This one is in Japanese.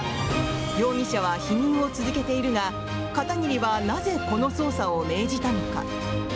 容疑者は否認を続けているが片桐はなぜこの捜査を命じたのか。